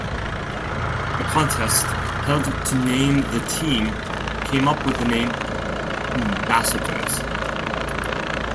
A contest held to name the team came up with the name Ambassadors.